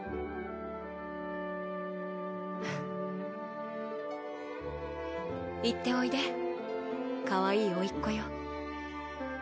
フッ行っておいでかわいい甥っ子よ